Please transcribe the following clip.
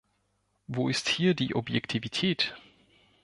Wo ist hier die Objektivität?